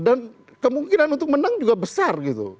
dan kemungkinan untuk menang juga besar